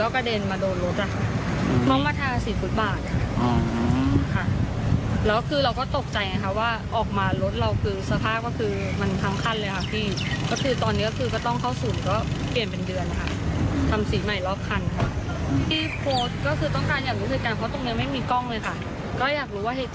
ก็เลยตามหารถคันที่เขาบอกว่าเหยียบ